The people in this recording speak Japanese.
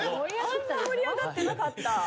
あんま盛り上がってなかった。